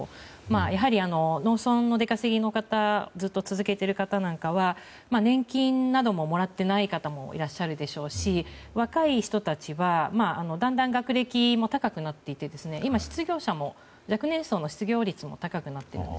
やはり、農村の出稼ぎの方ずっと続けている方なんかは年金などももらっていない方もいらっしゃるでしょうし若い人たちはだんだん学歴も高くなっていて今、失業者も若年層の失業率も高くなっています。